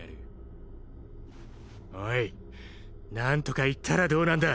オイ何とか言ったらどうなんだ？